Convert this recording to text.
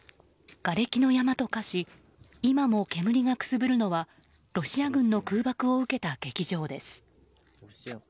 がれきの山と化し今も煙がくすぶるのはロシア軍の空爆を受けた劇場です。